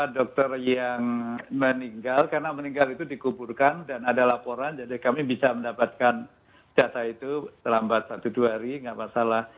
dokter yang meninggal karena meninggal itu dikuburkan dan ada laporan jadi kami bisa mendapatkan data itu terlambat satu dua hari tidak masalah